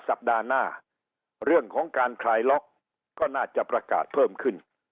สัปดาห์หน้าเรื่องของการคลายล็อกก็น่าจะประกาศเพิ่มขึ้น